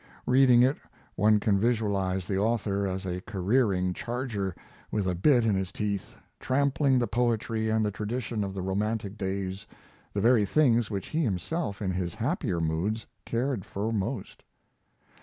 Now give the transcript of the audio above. Reading it, one can visualize the author as a careering charger, with a bit in his teeth, trampling the poetry and the tradition of the romantic days, the very things which he himself in his happier moods cared for most.